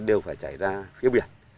đều phải chảy ra phía biển